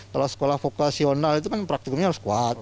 kalau sekolah vokasional itu kan praktikumnya harus kuat